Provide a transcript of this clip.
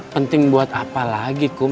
penting buat apa lagi kum